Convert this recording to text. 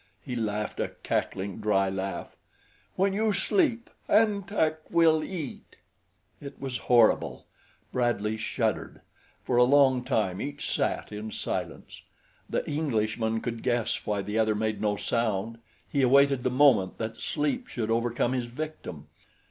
He laughed, a cackling, dry laugh. "When you sleep, An Tak will eat." It was horrible. Bradley shuddered. For a long time each sat in silence. The Englishman could guess why the other made no sound he awaited the moment that sleep should overcome his victim.